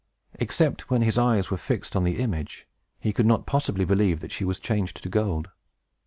Except when his eyes were fixed on the image, he could not possibly believe that she was changed to gold.